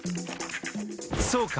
そうか！